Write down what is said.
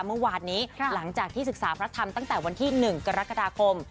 เมื่อวานนี้หลังจากที่ศึกษาพระธรรมตั้งแต่วันที่๑กรกฎาคม